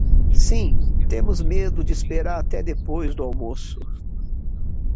Sim, temos medo de esperar até depois do almoço.